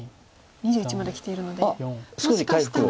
２１まできているのでもしかしたら。